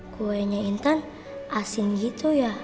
kuenya intan asin gitu ya